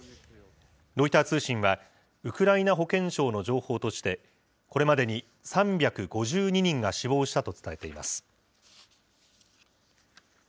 ロイター通信は、ウクライナ保健省の情報として、これまでに３５２人が死亡したと伝えています。